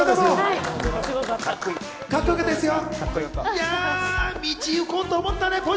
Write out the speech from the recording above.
カッコよかったですよ。